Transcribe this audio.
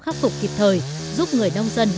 khắc phục kịp thời giúp người nông dân